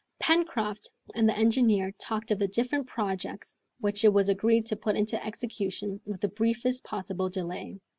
Pencroft and the engineer talked of the different projects which it was agreed to put into execution with the briefest possible delay.